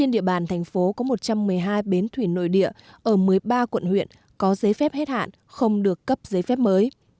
địa bàn thành phố có một trăm một mươi hai bến thủy nội địa ở một mươi ba quận huyện có giấy phép hết hạn không được cấp giấy phép mới